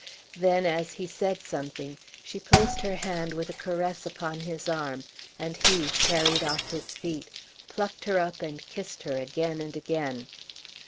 Then as he said something, she placed her hand with a caress upon his arm, and he, carried off his feet, plucked her up and kissed her again and again.